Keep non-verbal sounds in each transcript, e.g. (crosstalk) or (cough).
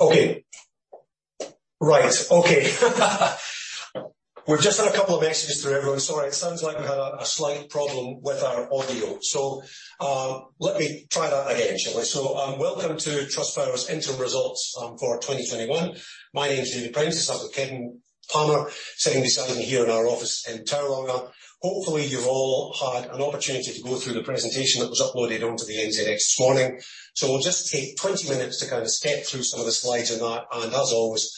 Okay. Right. Okay. We've just had a couple of messages through everyone. Sorry. It sounds like we had a slight problem with our audio. Let me try that again, shall we? Welcome to Trustpower's interim results for 2021. My name is David Prentice. I'm with Kevin Palmer, sitting beside me here in our office in Tauranga. Hopefully, you've all had an opportunity to go through the presentation that was uploaded onto the NZX this morning. We'll just take 20 minutes to kind of step through some of the slides on that and, as always,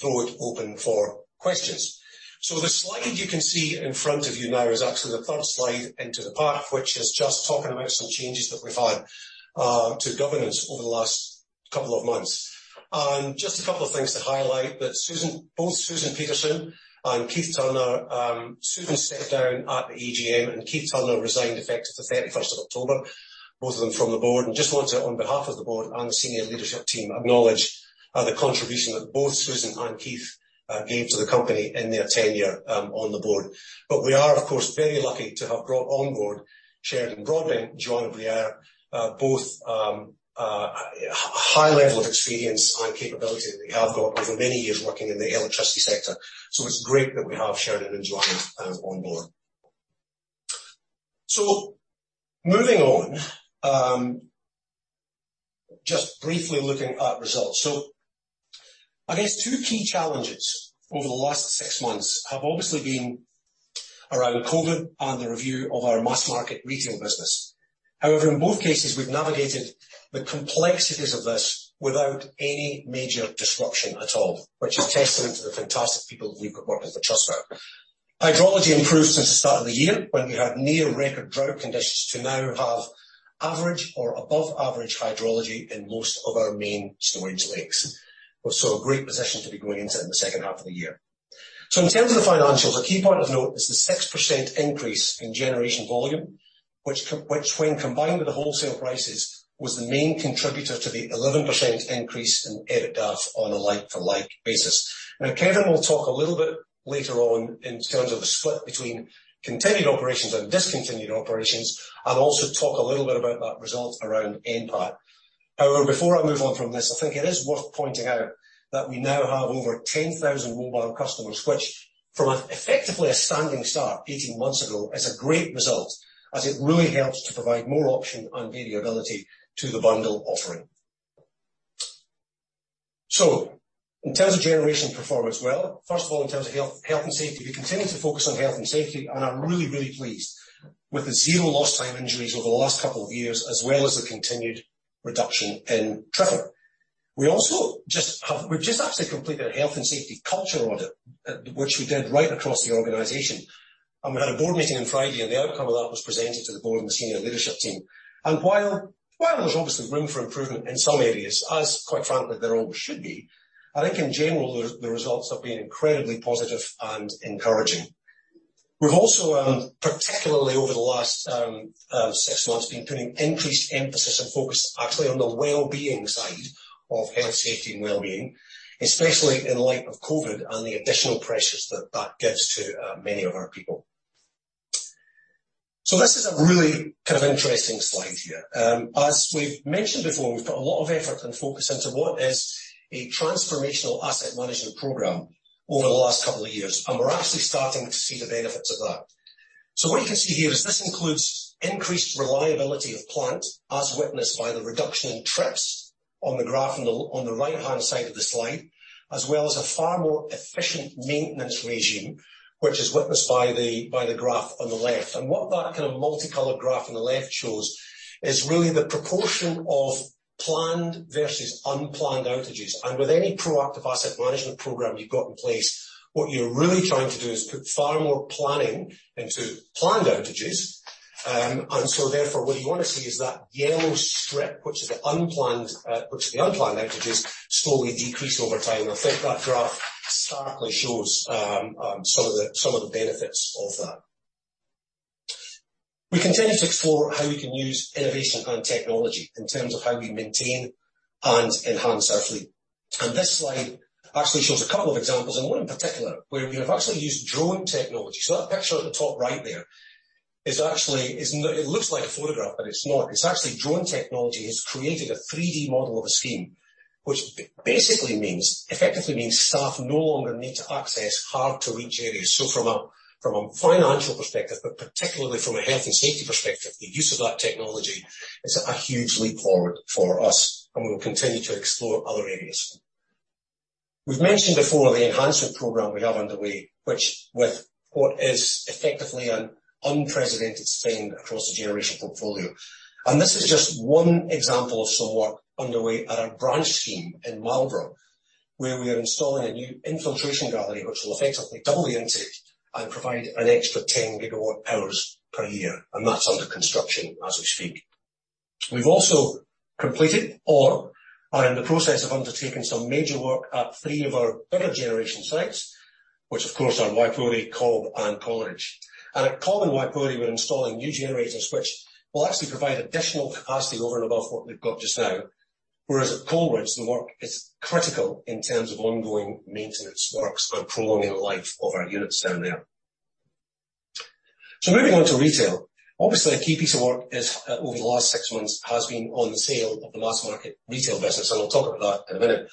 throw it open for questions. The slide you can see in front of you now is actually the third slide into the pack, which is just talking about some changes that we've had to governance over the last couple of months. Just a couple of things to highlight that both Susan Peterson and Keith Turner, Susan stepped down at the AGM and Keith Turner resigned effective October 31st, both of them from the board. Just want to, on behalf of the board and the senior leadership team, acknowledge the contribution that both Susan and Keith gave to the company in their tenure on the board. We are, of course, very lucky to have brought on board Sheridan Broadbent and Joanna Breare, both high level of experience and capability they have got over many years working in the electricity sector. It's great that we have Sheridan and Joan on board. Moving on, just briefly looking at results. I guess two key challenges over the last six months have obviously been around COVID and the review of our mass market retail business. However, in both cases, we've navigated the complexities of this without any major disruption at all, which is testament to the fantastic people we've got working for Trustpower. Hydrology improved since the start of the year, when we had near record drought conditions to now have average or above average hydrology in most of our main storage lakes. A great position to be going into in the second half of the year. In terms of the financials, a key point of note is the 6% increase in generation volume, which when combined with the wholesale prices, was the main contributor to the 11% increase in EBITDA on a like-to-like basis. Kevin will talk a little bit later on in terms of the split between continued operations and discontinued operations, and also talk a little bit about that result around NPAT. Before I move on from this, I think it is worth pointing out that we now have over 10,000 mobile customers, which from effectively a standing start 18 months ago, is a great result as it really helps to provide more option and variability to the bundle offering. In terms of generation performance. First of all, in terms of health and safety, we continue to focus on health and safety and are really pleased with the zero lost time injuries over the last couple of years, as well as the continued reduction in tripping. We've just actually completed a health and safety culture audit, which we did right across the organization. We had a board meeting on Friday, and the outcome of that was presented to the board and the senior leadership team. While there's obviously room for improvement in some areas, as quite frankly there always should be, I think in general the results have been incredibly positive and encouraging. We've also, particularly over the last six months, been putting increased emphasis and focus actually on the wellbeing side of health, safety, and wellbeing, especially in light of COVID and the additional pressures that that gives to many of our people. This is a really kind of interesting slide here. As we've mentioned before, we've put a lot of effort and focus into what is a transformational asset management program over the last couple of years, and we're actually starting to see the benefits of that. What you can see here is this includes increased reliability of plant, as witnessed by the reduction in trips on the graph on the right-hand side of the slide, as well as a far more efficient maintenance regime, which is witnessed by the graph on the left. What that kind of multicolored graph on the left shows is really the proportion of planned versus unplanned outages. With any proactive asset management program you've got in place, what you're really trying to do is put far more planning into planned outages. What you want to see is that yellow strip, which is the unplanned outages, slowly decrease over time. I think that graph starkly shows some of the benefits of that. We continue to explore how we can use innovation and technology in terms of how we maintain and enhance our fleet. This slide actually shows a couple of examples and one in particular where we have actually used drone technology. That picture at the top right there is actually. It looks like a photograph, but it's not. It's actually drone technology has created a 360 model of a scheme, which basically means, effectively means staff no longer need to access hard-to-reach areas. From a financial perspective, but particularly from a health and safety perspective, the use of that technology is a huge leap forward for us, and we will continue to explore other areas. We've mentioned before the enhancement program we have underway, which with what is effectively an unprecedented spend across the generation portfolio. This is just one example of some work underway at our Branch scheme in Marlborough, where we are installing a new infiltration gallery, which will effectively double the intake and provide an extra 10GW hours per year, and that's under construction as we speak. We've also completed or are in the process of undertaking some major work at three of our bigger generation sites, which of course are Waipori, Cobb, and Coleridge. At Cobb and Waipori, we're installing new generators which will actually provide additional capacity over and above what we've got just now. Whereas at Coleridge, the work is critical in terms of ongoing maintenance works and prolonging the life of our units down there. Moving on to retail. Obviously a key piece of work is, over the last six months has been on sale of the mass market retail business, and I'll talk about that in a minute.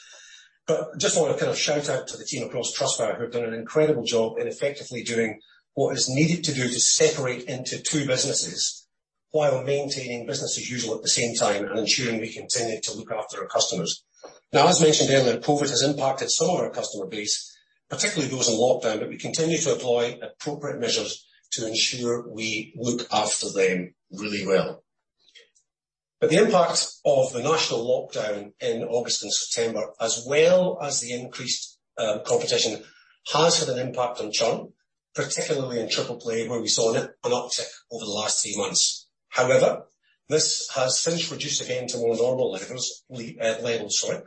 Just wanna kind of shout out to the team across Trustpower who have done an incredible job in effectively doing what is needed to do to separate into two businesses while maintaining business as usual at the same time and ensuring we continue to look after our customers. As mentioned earlier, COVID has impacted some of our customer base, particularly those in lockdown, but we continue to employ appropriate measures to ensure we look after them really well. The impact of the national lockdown in August and September as well as the increased competition has had an impact on churn, particularly in triple play, where we saw an uptick over the last three months. However, this has since reduced again to more normal levels, sorry,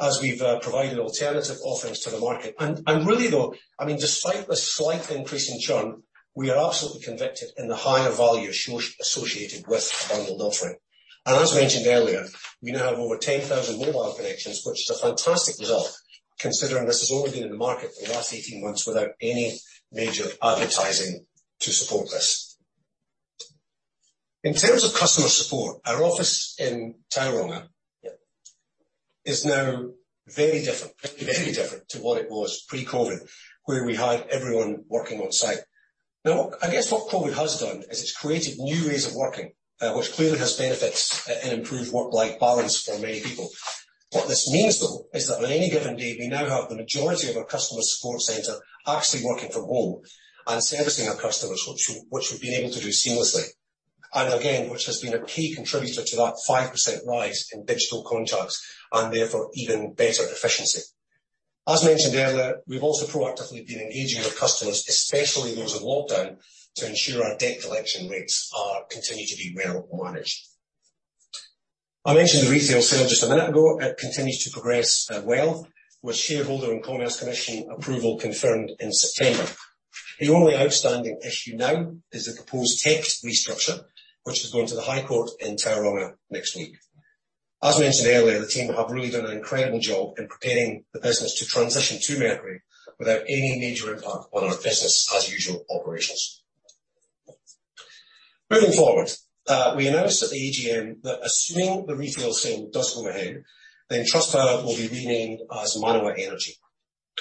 as we've provided alternative offerings to the market. Really though, I mean, despite the slight increase in churn, we are absolutely convicted in the higher value associated with a bundled offering. As mentioned earlier, we now have over 10,000 mobile connections, which is a fantastic result considering this has only been in the market for the last 18 months without any major advertising to support this. In terms of customer support, our office in Tauranga is now very different, very different to what it was pre-COVID, where we had everyone working on site. I guess what COVID has done is it's created new ways of working, which clearly has benefits and improved work-life balance for many people. What this means though, is that on any given day, we now have the majority of our customer support center actually working from home and servicing our customers, which we've been able to do seamlessly, and again, which has been a key contributor to that 5% rise in digital contracts and therefore even better efficiency. As mentioned earlier, we've also proactively been engaging with customers, especially those in lockdown, to ensure our debt collection rates continue to be well managed. I mentioned the retail sale just a minute ago. It continues to progress well, with shareholder and Commerce Commission approval confirmed in September. The only outstanding issue now is the proposed TECT restructure, which is going to the High Court in Tauranga next week. As mentioned earlier, the team have really done an incredible job in preparing the business to transition to Mercury without any major impact on our business as usual operations. We announced at the AGM that assuming the retail sale does go ahead, then Trustpower will be renamed as Manawa Energy,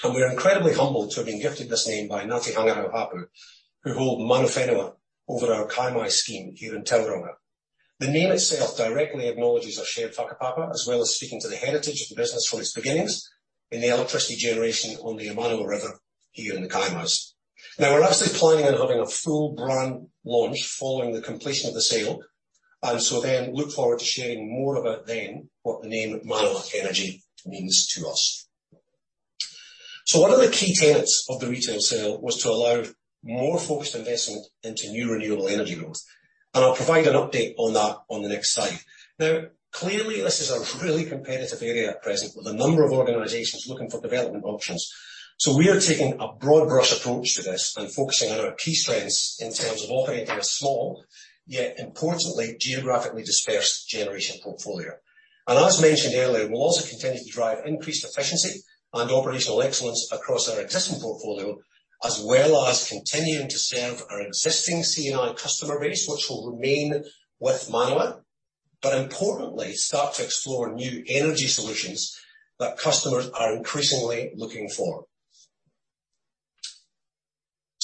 and we're incredibly humbled to have been gifted this name by Ngāti Hangarau hapū, who hold Mana Whenua over our Kaimai scheme here in Tauranga. The name itself directly acknowledges our shared whakapapa as well as speaking to the heritage of the business from its beginnings in the electricity generation on the Ōmanawa River here in the Kaimais. We're actually planning on having a full brand launch following the completion of the sale, look forward to sharing more about then what the name Manawa Energy means to us. One of the key tenets of the retail sale was to allow more focused investment into new renewable energy growth, I'll provide an update on that on the next slide. Clearly, this is a really competitive area at present with a number of organizations looking for development options. We are taking a broad brush approach to this and focusing on our key strengths in terms of operating a small, yet importantly, geographically dispersed generation portfolio. As mentioned earlier, we'll also continue to drive increased efficiency and operational excellence across our existing portfolio as well as continuing to serve our existing C&I customer base, which will remain with Manawa, but importantly, start to explore new energy solutions that customers are increasingly looking for.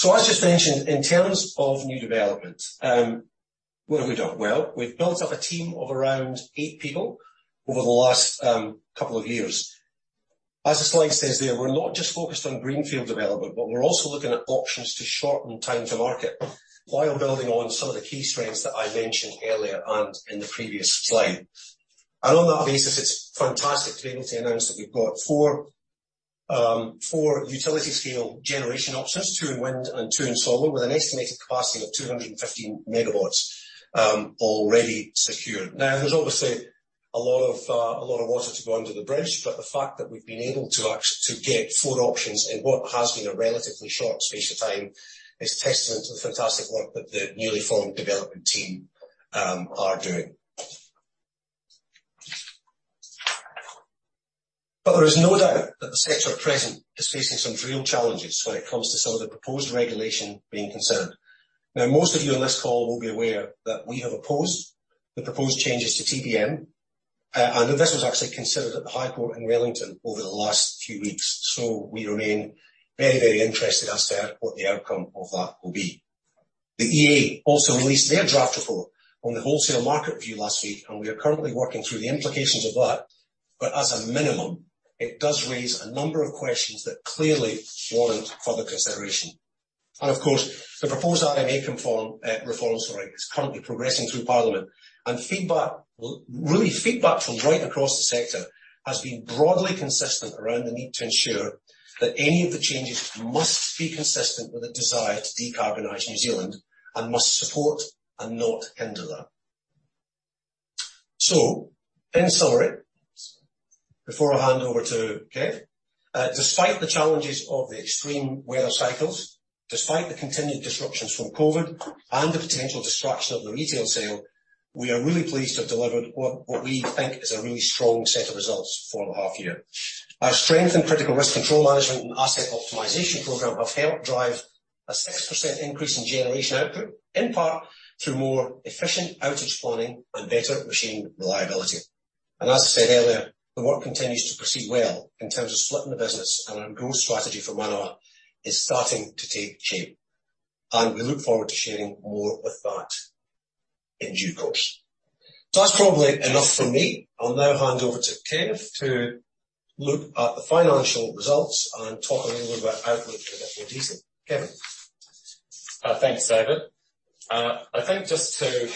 As just mentioned, in terms of new developments, what have we done? Well, we've built up a team of around eight people over the last couple of years. As the slide says there, we're not just focused on greenfield development, but we're also looking at options to shorten time to market while building on some of the key strengths that I mentioned earlier and in the previous slide. On that basis, it's fantastic to be able to announce that we've got four utility scale generation options, two in wind and two in solar, with an estimated capacity of 215MW already secured. There's obviously a lot of water to go under the bridge, but the fact that we've been able to get four options in what has been a relatively short space of time is testament to the fantastic work that the newly formed development team are doing. There is no doubt that the sector at present is facing some real challenges when it comes to some of the proposed regulation being considered. Most of you on this call will be aware that we have opposed the proposed changes to TPM, and this was actually considered at the High Court in Wellington over the last few weeks. We remain very, very interested as to what the outcome of that will be. The EA also released their draft report on the wholesale market review last week, and we are currently working through the implications of that. As a minimum, it does raise a number of questions that clearly warrant further consideration. Of course, the proposed EMA reforms, sorry, is currently progressing through Parliament. Feedback, really feedback from right across the sector has been broadly consistent around the need to ensure that any of the changes must be consistent with the desire to decarbonize New Zealand and must support and not hinder that. In summary, before I hand over to Kev, despite the challenges of the extreme weather cycles, despite the continued disruptions from COVID and the potential distraction of the retail sale. We are really pleased to have delivered what we think is a really strong set of results for the half year. Our strength and critical risk control management and asset optimization program have helped drive a 6% increase in generation output, in part through more efficient outage planning and better machine reliability. As I said earlier, the work continues to proceed well in terms of splitting the business and our growth strategy for Manawa is starting to take shape. We look forward to sharing more of that in due course. That's probably enough from me. I'll now hand over to Kev to look at the financial results and talk a little bit about outlook in a bit more detail. Kevin. Thanks, David. I think just to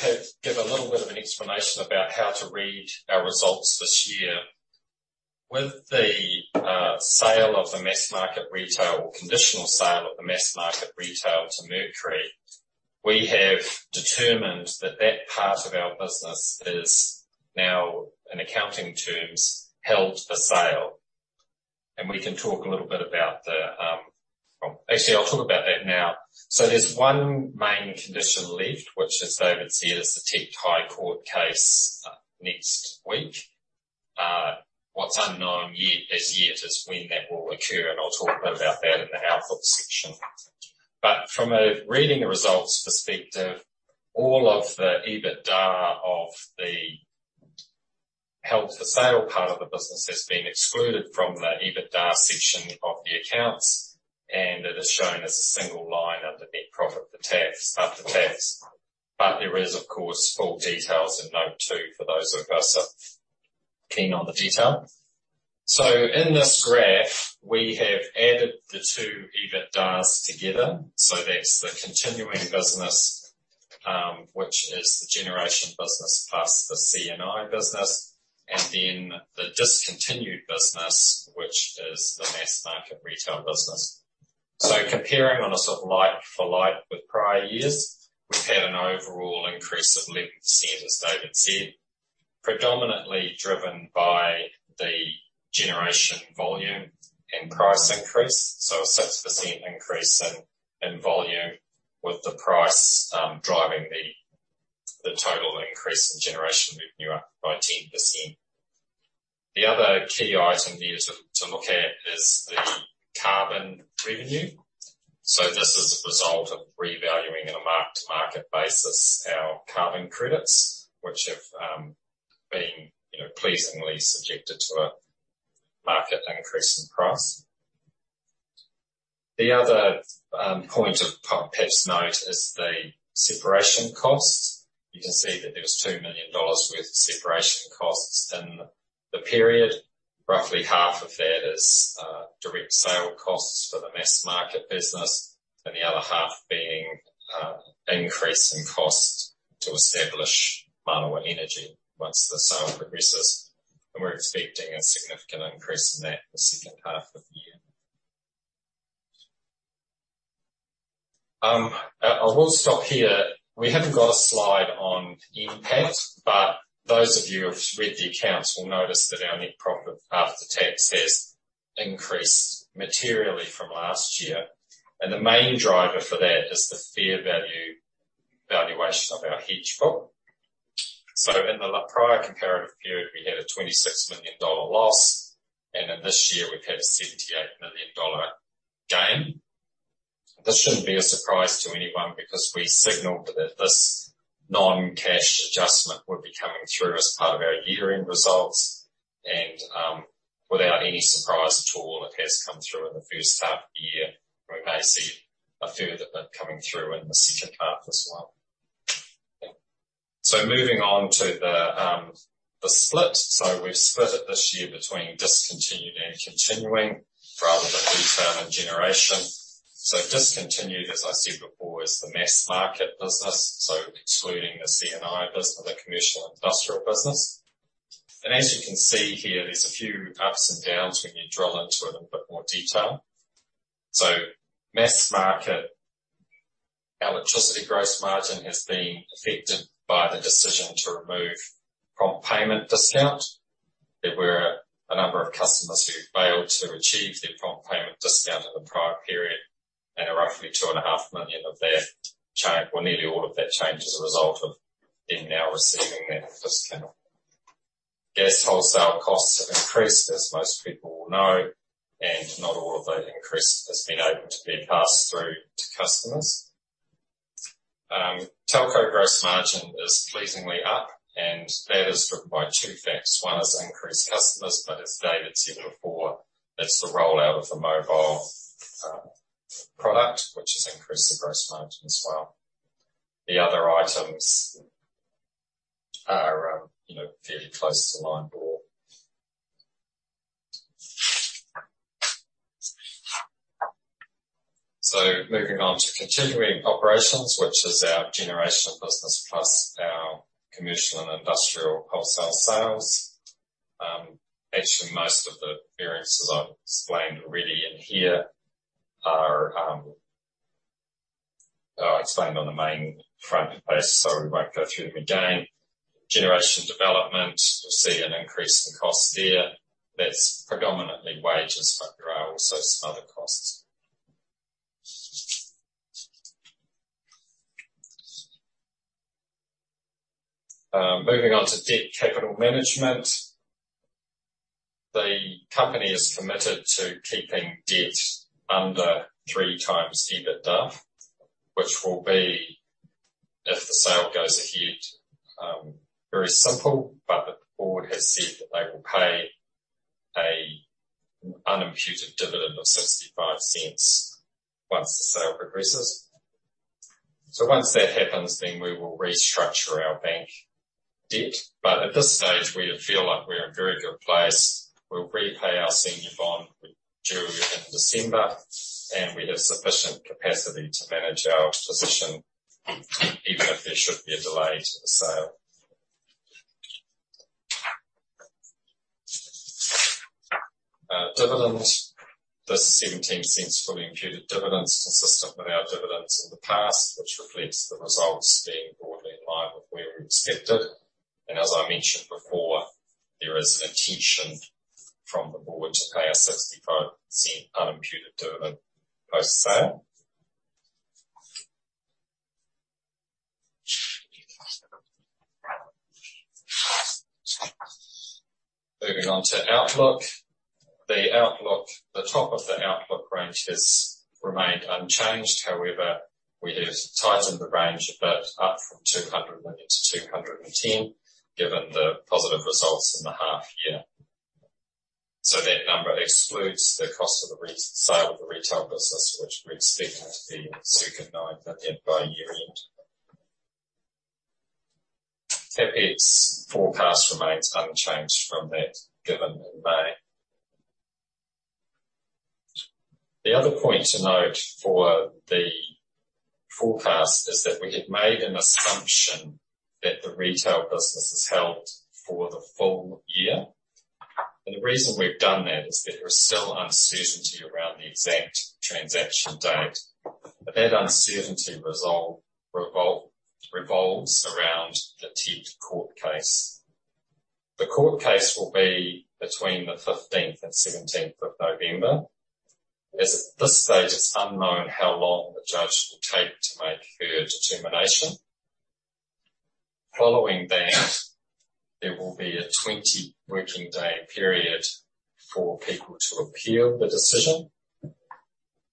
give a little bit of an explanation about how to read our results this year. With the sale of the mass market retail or conditional sale of the mass market retail to Mercury, we have determined that that part of our business is now, in accounting terms, held for sale. Well, actually, I'll talk about that now. There's one main condition left, which as David said, is the TECT High Court case next week. What's unknown yet, as yet is when that will occur, and I'll talk a bit about that in the outlook section. From a reading the results perspective, all of the EBITDA of the held for sale part of the business has been excluded from the EBITDA section of the accounts, and it is shown as a single line under Net Profit After Tax. There is, of course, full details in note two for those of us that keen on the detail. In this graph we have added the two EBITDAs together. That's the continuing business, which is the generation business plus the C&I business, and then the discontinued business, which is the mass market retail business. Comparing on a sort of like for like with prior years, we've had an overall increase, (audio distortion) predominantly driven by the generation volume and price increase. A 6% increase in volume with the price driving the total increase in generation revenue up by 10%. The other key item here to look at is the carbon revenue. This is a result of revaluing in a marked-to-market basis our carbon credits, which have been, you know, pleasingly subjected to a market increase in price. The other point of perhaps note is the separation costs. You can see that there was 2 million dollars worth of separation costs in the period. Roughly half of that is direct sale costs for the mass market business and the other half being increase in cost to establish Manawa Energy once the sale progresses. We're expecting a significant increase in that in the second half of the year. I will stop here. We haven't got a slide on NPAT, but those of you who've read the accounts will notice that our net profit after tax has increased materially from last year. The main driver for that is the fair value valuation of our hedge book. In the prior comparative period we had a 26 million dollar loss, and in this year we've had a 78 million dollar gain. This shouldn't be a surprise to anyone because we signaled that this non-cash adjustment would be coming through as part of our year-end results and, without any surprise at all it has come through in the first half of the year. We may see a further bit coming through in the second half as well. Moving on to the split. We've split it this year between discontinued and continuing rather than retail and generation. Discontinued, as I said before, is the mass market business, so excluding the C&I business or the commercial and industrial business. As you can see here, there's a few ups and downs when you drill into it in a bit more detail. Mass market electricity gross margin has been affected by the decision to remove prompt payment discount. There were a number of customers who failed to achieve their prompt payment discount in the prior period, and roughly 2.5 million of that change or nearly all of that change as a result of them now receiving that discount. Gas wholesale costs have increased, as most people will know, and not all of the increase has been able to be passed through to customers. Telco gross margin is pleasingly up and that is driven by two facts. One is increased customers, but as David said before, that's the rollout of the mobile product, which has increased the gross margin as well. The other items are, you know, fairly close to line ball. Moving on to continuing operations, which is our generation business plus our commercial and industrial wholesale sales. Actually most of the variances I've explained already in here are explained on the main front page, so we won't go through them again. Generation development, we'll see an increase in cost there. That's predominantly wages, but there are also some other costs. Moving on to debt capital management. The company is committed to keeping debt under three times EBITDA, which will be, if the sale goes ahead, very simple, but the board has said that they will pay a unimputed dividend of 0.65 once the sale progresses. Once that happens, then we will restructure our bank debt. At this stage, we feel like we're in a very good place. We'll repay our senior bond, which is due in December, and we have sufficient capacity to manage our position even if there should be a delay to the sale. Dividend. This NZD 0.17 fully imputed dividend's consistent with our dividends in the past, which reflects the results being broadly in line with where we expected. As I mentioned before, there is intention from the board to pay a 0.65 unimputed dividend post-sale. Moving on to outlook. The top of the outlook range has remained unchanged. However, we have tightened the range a bit up from 200 million-210 million, given the positive results in the half year. That number excludes the cost of the sale of the retail business, which we expect to be circulated by year-end. CapEx forecast remains unchanged from that given in May. The other point to note for the forecast is that we have made an assumption that the retail business is held for the full year. The reason we've done that is that there is still uncertainty around the exact transaction date. That uncertainty revolves around the TECT court case. The court case will be between the 15th and 17th of November. At this stage, it's unknown how long the judge will take to make her determination. Following that, there will be a 20 working day period for people to appeal the decision.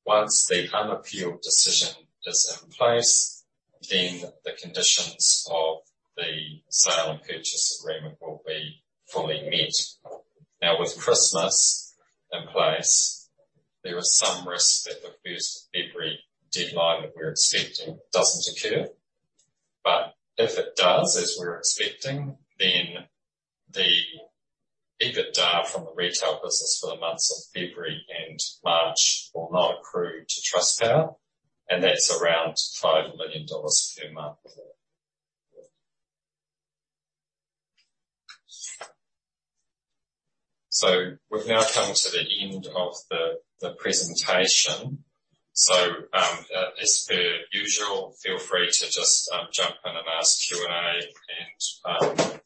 Once the unappealed decision is in place, then the conditions of the sale and purchase agreement will be fully met. With Christmas in place, there is some risk that February 1st deadline that we're expecting doesn't occur. If it does, as we're expecting, then the EBITDA from the retail business for the months of February and March will not accrue to Trustpower, and that's around NZD 5 million per month. We've now come to the end of the presentation. As per usual, feel free to just jump in and ask Q&A.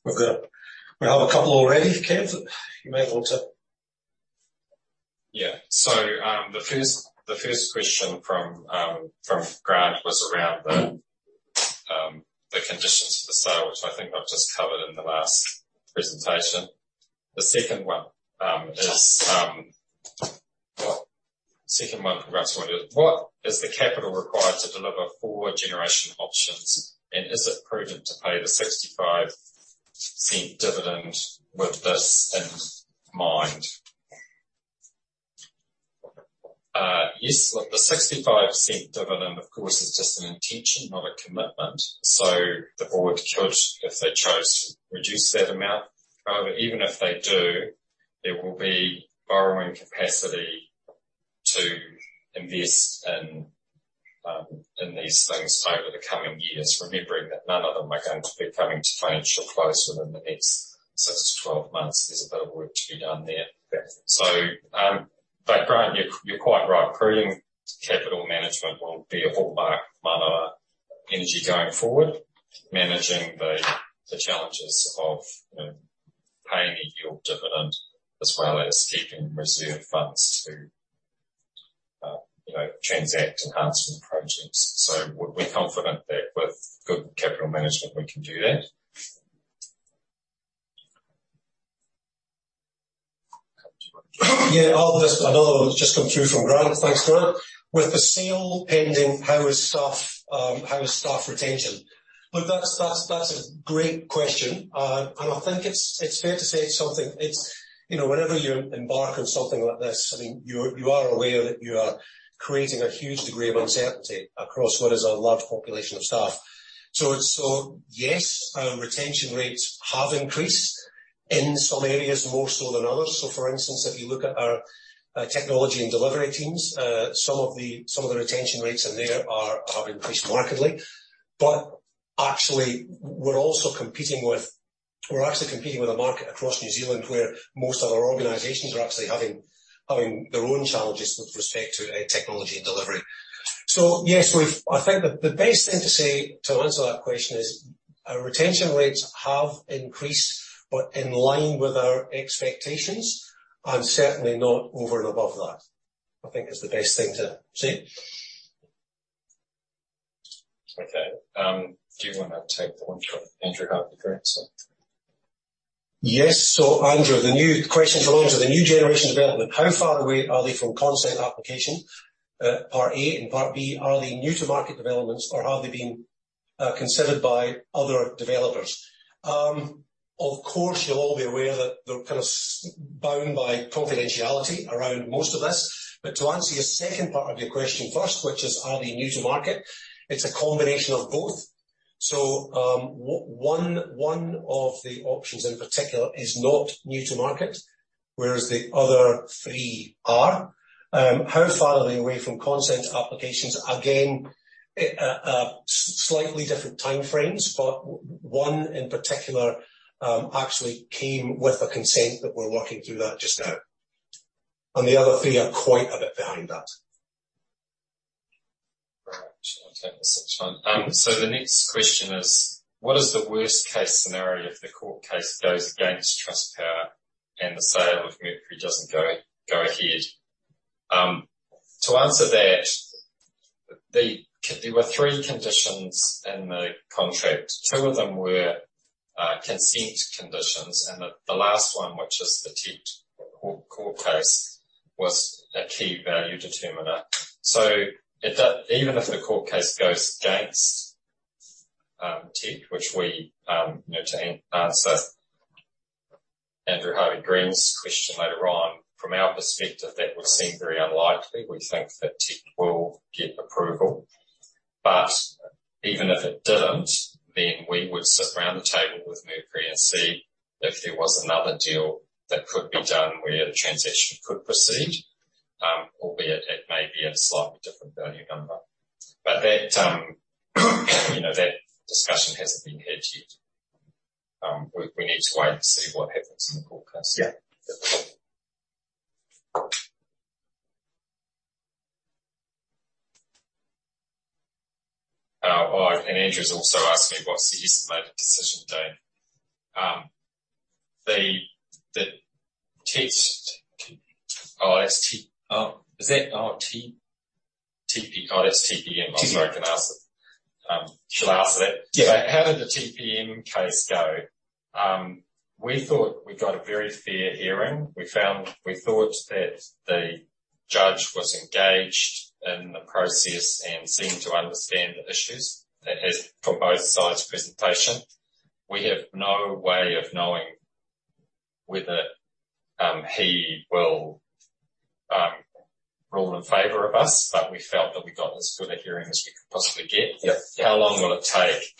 We have a couple already, Kev. Yeah. The first question from Grant was around the conditions for the sale, which I think I've just covered in the last presentation. The second one is, "What is the capital required to deliver forward generation options, and is it prudent to pay the 0.65 dividend with this in mind?" Yes. Look, the 0.65 dividend, of course, is just an intention, not a commitment. The board could, if they chose, reduce that amount. However, even if they do, there will be borrowing capacity to invest in these things over the coming years. Remembering that none of them are going to be coming to financial close within the next six to 12 months. There's a bit of work to be done there. Grant, you're quite right. Prudent capital management will be a hallmark of Manawa Energy going forward, managing the challenges of, you know, paying a yield dividend as well as keeping reserve funds to, you know, transact enhancement projects. We're confident that with good capital management, we can do that. There's another one that's just come through from Grant. Thanks, Grant. With the sale pending, how is staff retention? Look, that's a great question. And I think it's fair to say, you know, whenever you embark on something like this, I mean, you are aware that you are creating a huge degree of uncertainty across what is a large population of staff. Yes, our retention rates have increased in some areas more so than others. For instance, if you look at our technology and delivery teams, some of the retention rates in there have increased markedly. We're actually competing with a market across New Zealand where most other organizations are actually having their own challenges with respect to technology and delivery. I think the best thing to say to answer that question is. Our retention rates have increased, but in line with our expectations and certainly not over and above that. I think is the best thing to say. Okay. Do you want to take the one from Andrew Harvey-Green? Yes. Andrew, the new question from Andrew. The new generation development, how far away are they from consent application? Part A, part B, are they new to market developments or have they been considered by other developers? Of course you'll all be aware that they're kind of bound by confidentiality around most of this. To answer your second part of your question first, which is, are they new to market? It's a combination of both. One of the options in particular is not new to market, whereas the other three are. How far are they away from consent applications? Again, slightly different time frames, but one in particular actually came with a consent that we're working through that just now. The other three are quite a bit behind that. Shall I take the next one? The next question is: What is the worst-case scenario if the court case goes against Trustpower and the sale of Mercury doesn't go ahead? To answer that, there were three conditions in the contract. Two of them were consent conditions, and the last one, which is the TECT court case, was a key value determiner. Even if the court case goes against TECT, which we, you know, to answer Andrew Harvey-Green's question later on, from our perspective, that would seem very unlikely. We think that TECT will get approval. Even if it didn't, then we would sit around the table with Mercury and see if there was another deal that could be done where the transaction could proceed, albeit it may be a slightly different value number. That, you know, that discussion hasn't been had yet. We need to wait and see what happens in the court case. Yeah. Andrew's also asked me what's the estimated decision date. The TECT. That's TPM. TPM. I'm sorry. I can answer. Shall I answer that? Yeah. How did the TPM case go? We thought we got a very fair hearing. We thought that the judge was engaged in the process and seemed to understand the issues from both sides' presentation. We have no way of knowing whether he will rule in favor of us. We felt that we got as good a hearing as we could possibly get. Yeah. How long will it take?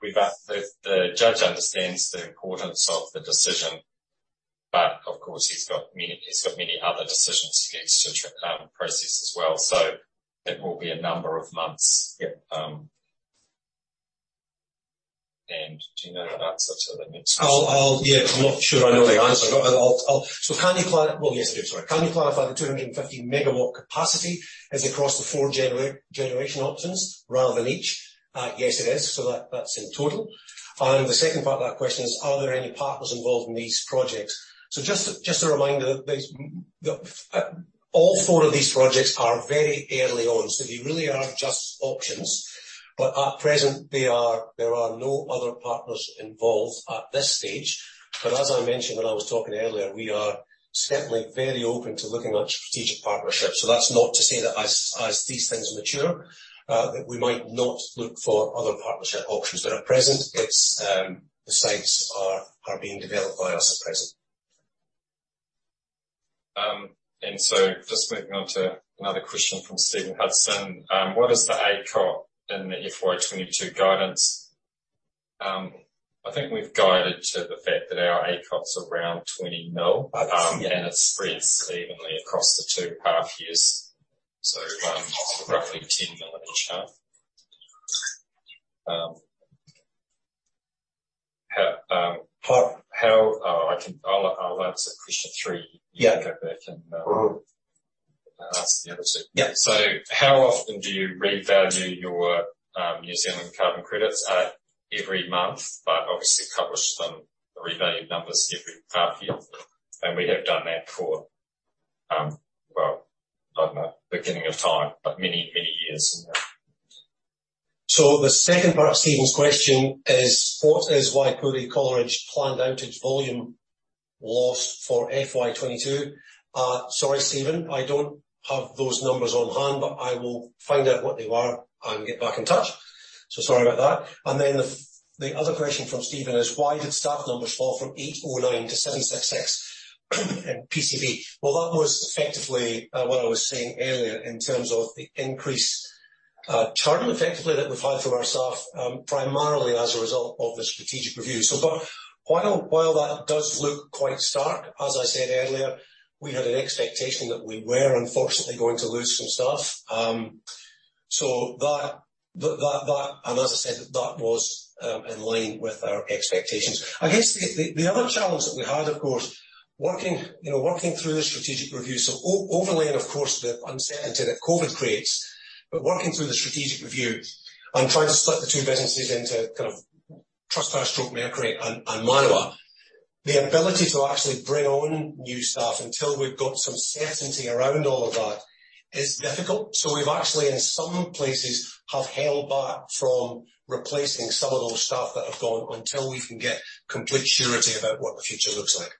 The judge understands the importance of the decision, but of course, he's got many other decisions he needs to process as well. It will be a number of months. Yeah. Do you know the answer to the next question? Yeah. I'm not sure I know the answer. Well, yes, dude, sorry. Can you clarify the 250MW capacity is across the four generation options rather than each? Yes, it is. That's in total. The second part of that question is: Are there any partners involved in these projects? Just a reminder, all four of these projects are very early on, so they really are just options. At present, there are no other partners involved at this stage. As I mentioned when I was talking earlier, we are certainly very open to looking at strategic partnerships. That's not to say that as these things mature, that we might not look for other partnership options. At present, the sites are being developed by us at present. Just moving on to another question from Stephen Hudson. What is the ACOT in the FY 2022 guidance? I think we've guided to the fact that our ACOT's around 20 mil. That's, yeah. It spreads evenly across the two half years. Roughly NZD 10 million in each half. Well. Oh, I'll answer question three. Yeah. You can go back and ask the other two. Yeah. How often do you revalue your New Zealand carbon credits? Every month, but obviously publish the revalued numbers every half-year. We have done that for, well, I don't know, beginning of time, but many, many years now. The second part of Stephen's question is: What is Waipori Coleridge planned outage volume lost for FY 2022? Sorry, Stephen, I don't have those numbers on hand, but I will find out what they are and get back in touch. Sorry about that. The other question from Stephen is: Why did staff numbers fall from 809 to 766 in PCE? That was effectively what I was saying earlier in terms of the increased churn effectively that we've had from our staff, primarily as a result of the strategic review. While that does look quite stark, as I said earlier, we had an expectation that we were unfortunately going to lose some staff. That, as I said, was in line with our expectations. I guess the other challenge that we had, of course, working through the strategic review. overlay, and of course, the uncertainty that COVID creates, but working through the strategic review and trying to split the two businesses into kind of Trustpower/Mercury and Manawa. The ability to actually bring on new staff until we've got some certainty around all of that is difficult. We've actually in some places have held back from replacing some of those staff that have gone until we can get complete surety about what the future looks like.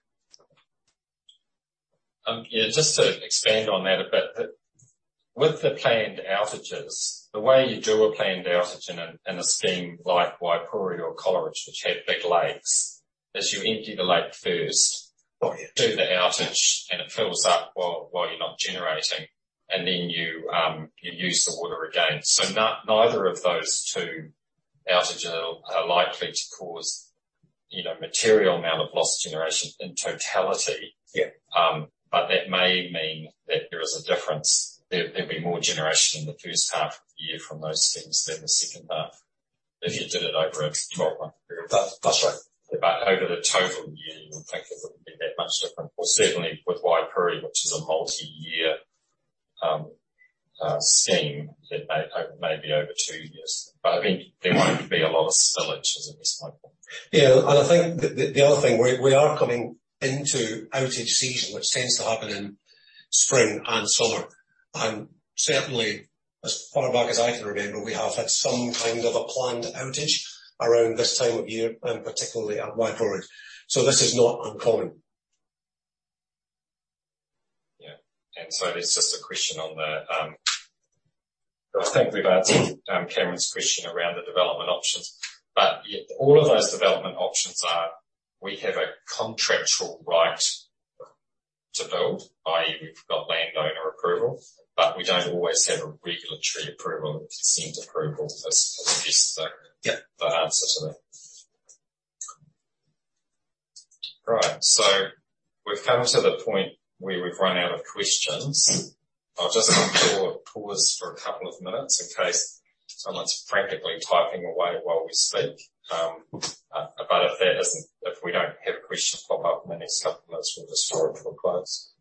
Yeah. Just to expand on that a bit. With the planned outages, the way you do a planned outage in a scheme like Waipori or Coleridge, which have big lakes, is you empty the lake first. Oh, yeah. Do the outage, it fills up while you're not generating, and then you use the water again. Neither of those two outages are likely to cause, you know, material amount of lost generation in totality. Yeah. That may mean that there is a difference. There'll be more generation in the first half of the year from those schemes than the second half. If you did it over a 12-month period. That's right. Over the total year, in fact, it wouldn't be that much different. Well, certainly with Waipori, which is a multi-year scheme that may be over two years. I think there won't be a lot of spillage, as it was like. Yeah. I think the other thing, we are coming into outage season, which tends to happen in spring and summer. Certainly as far back as I can remember, we have had some kind of a planned outage around this time of year, and particularly at Waipori. This is not uncommon. Yeah. There's just a question on the. I think we've answered Cameron's question around the development options. All of those development options are, we have a contractual right to build, i.e., we've got landowner approval. We don't always have a regulatory approval, consent approval. That's the best. Yeah. The answer to that. All right. We've come to the point where we've run out of questions. I'll just pause for a couple of minutes in case someone's frantically typing away while we speak. If we don't have a question pop up in the next couple of minutes, we'll just call it to a close.